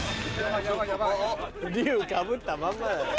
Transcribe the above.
龍かぶったまんまじゃん。